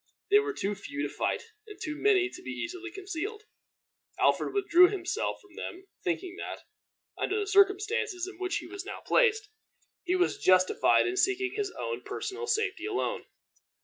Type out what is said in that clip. They were too few to fight, and too many to be easily concealed. Alfred withdrew himself from them, thinking that, under the circumstances in which he was now placed, he was justified in seeking his own personal safety alone.